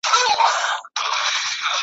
او د بشپړي روغتیا هیله ورته کوو `